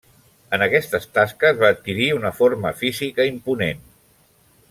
En aquestes tasques va adquirir una forma física imponent.